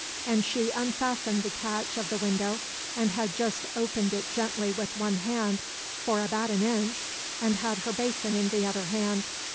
And she unfastened the catch of the window and had just opened it gently with one hand, for about an inch, and had her basin in the other hand.